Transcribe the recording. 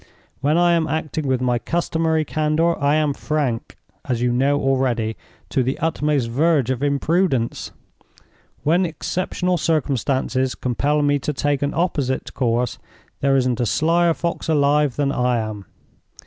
When I am acting with my customary candor, I am frank (as you know already) to the utmost verge of imprudence. When exceptional circumstances compel me to take an opposite course, there isn't a slyer fox alive than I am.